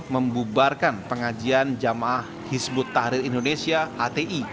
membubarkan pengajian jamaah hizbut tahrir indonesia hti